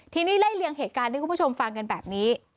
ทีนี้ไล่เลี่ยงเหตุการณ์ให้คุณผู้ชมฟังกันแบบนี้